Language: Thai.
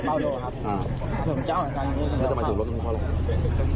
ไปอัลโหลครับถ้าควรไปยนะทำไมเหมาณ์รสกรรมด้วยพ่อ